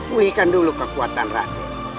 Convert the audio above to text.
pulihkan dulu kekuatan raden